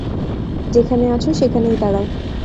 যেখানে আছো সেখানেই দাঁড়াও।